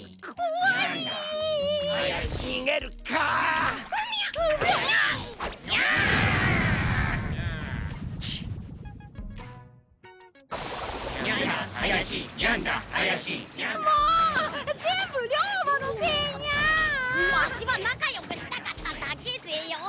ワシはなかよくしたかっただけぜよ。